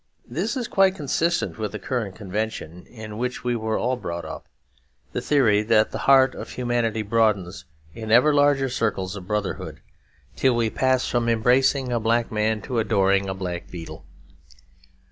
This is quite consistent with the current convention, in which we were all brought up; the theory that the heart of humanity broadens in ever larger circles of brotherhood, till we pass from embracing a black man to adoring a black beetle.